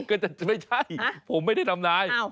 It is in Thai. ก็จะไม่ใช่ผมไม่ได้ทำนาย